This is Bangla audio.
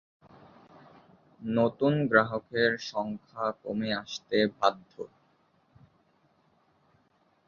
নতুন গ্রাহকের সংখ্যা কমে আসতে বাধ্য।